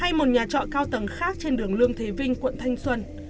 hay một nhà trọ cao tầng khác trên đường lương thế vinh quận thanh xuân